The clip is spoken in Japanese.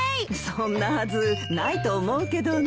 そんなはずないと思うけどね。